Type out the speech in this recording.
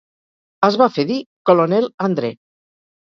Es va fer dir "Colonel Andre".